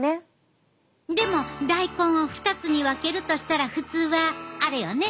でも大根を２つに分けるとしたら普通はあれよね。